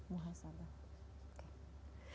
mereka sudah terikat kepada allah